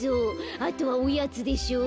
あとはおやつでしょ。